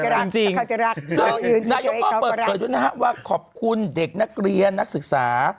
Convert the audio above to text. ถ้าเขาจะรักถ้าเขาจะรักนายก็เปิดเกิดนะครับว่าขอบคุณเด็กนักเรียนนักศึกษา